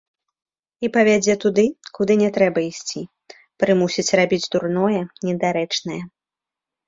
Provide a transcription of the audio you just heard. І павядзе туды, куды не трэба ісці, прымусіць рабіць дурное, недарэчнае.